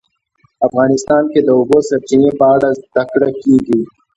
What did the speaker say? افغانستان کې د د اوبو سرچینې په اړه زده کړه کېږي.